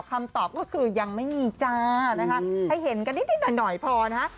คำตอบก็คือยังไม่มีจ้านะคะให้เห็นกันนิดหน่อยพอนะฮะ